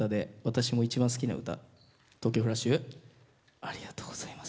ありがとうございます。